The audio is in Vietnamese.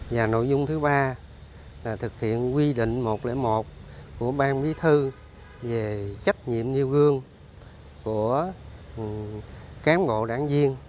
và nội dung thứ ba là thực hiện quy định một trăm linh một của ban bí thư về trách nhiệm nêu gương của cán bộ đảng viên